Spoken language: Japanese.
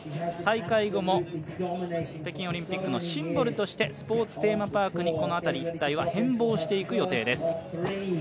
大会後も北京オリンピックのシンボルとしてスポーツテーマパークにこの辺りは一変していく予定です。